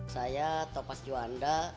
saya topas juanda